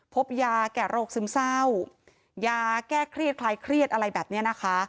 พบยาแก่โรคซึมเศร้ายาแก้เครียดคลายเครียดอะไรแบบนี้นะคะ